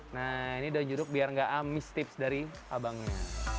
nah ini daun jeruk biar gak amis tips dari abangnya